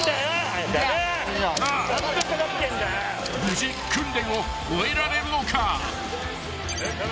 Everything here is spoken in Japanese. ［無事訓練を終えられるのか］